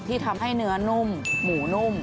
ที่ทำให้เนื้อนุ่มหมูนุ่ม